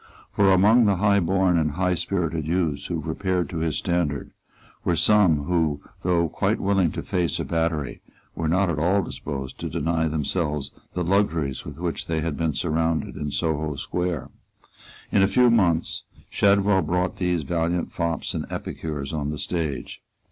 For among the high born and high spirited youths who repaired to his standard were some who, though quite willing to face a battery, were not at all disposed to deny themselves the luxuries with which they had been surrounded in Soho Square. In a few months Shadwell brought these valiant fops and epicures on the stage.